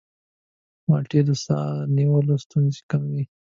مالټې د ساه نیولو ستونزې کموي.